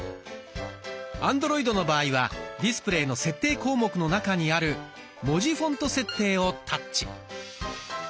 アンドロイドの場合はディスプレイの設定項目の中にある「文字フォント設定」をタッチ。